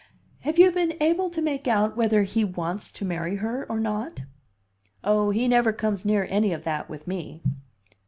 "Have you been able to make out whether he wants to marry her or not?" "Oh, he never comes near any of that with me!"